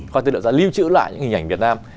kho tư liệu là lưu trữ lại những hình ảnh việt nam